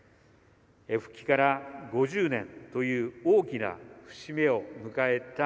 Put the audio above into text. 復帰から５０年という大きな節目を迎えた